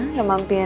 gak mampir ya